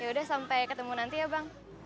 yaudah sampai ketemu nanti ya bang